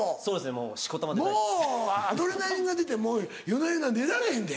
もうアドレナリンが出て夜な夜な寝られへんで。